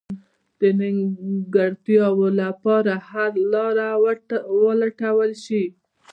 د نیمګړتیاوو لپاره حل لاره ولټول شي.